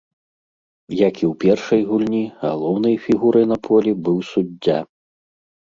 Як і ў першай гульні, галоўнай фігурай на полі быў суддзя.